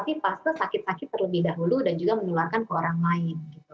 tapi pasta sakit sakit terlebih dahulu dan juga menularkan ke orang lain